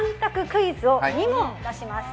クイズを２問、出します。